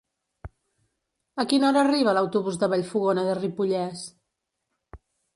A quina hora arriba l'autobús de Vallfogona de Ripollès?